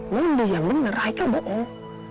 mondi yang bener haikal bohong